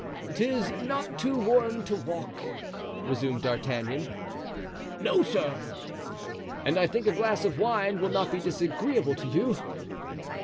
"'Tis not too warm to walk," resumed D'Artagnan. "No, sir." "And I think a glass of wine will not be disagreeable to you?"